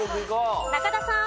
中田さん。